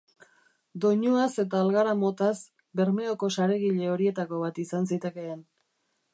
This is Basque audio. Doinuaz eta algara motaz, Bermeoko saregile horietako bat izan zitekeen.